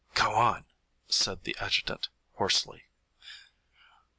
"Go on," said the adjutant, hoarsely.